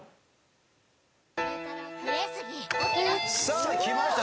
さあきました。